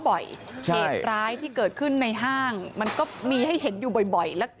เหตุร้ายที่เกิดขึ้นในห้างมันก็มีให้เห็นอยู่บ่อยแล้ว